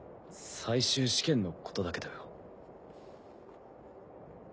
最終試験のことだけどよ。